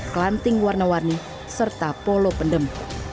klanting warna warni serta polo pendem